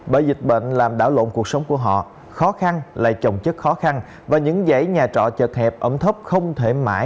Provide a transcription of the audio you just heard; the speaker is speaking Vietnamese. bởi dịch bệnh làm đảo lộn cuộc sống của họ khó khăn lại trồng chất khó khăn và những giấy nhà trọ chật hẹp ẩm thấp không thể mãi